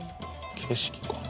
景色かな？